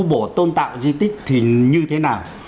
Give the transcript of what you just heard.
các bộ tôn tạo di tích thì như thế nào